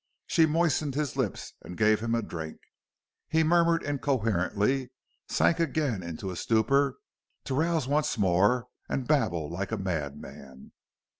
She moistened his lips and gave him a drink. He murmured incoherently, sank again into a stupor, to rouse once more and babble tike a madman.